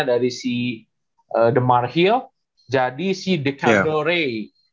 dari si demar hill jadi si dekado ray